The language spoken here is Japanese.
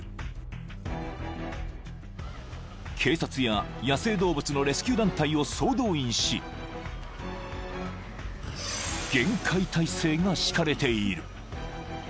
［警察や野生動物のレスキュー団体を総動員し厳戒態勢が敷かれている］